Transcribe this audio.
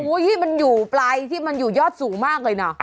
โอ๊ยมันอยู่ปลายแล้วที่มันอยู่ยอดสูงมากเลย